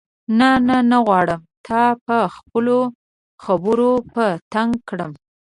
نه نه نه غواړم تا په خپلو خبرو په تنګ کړم.